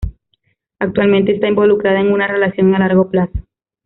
Actualmente está involucrada en una relación a largo plazo.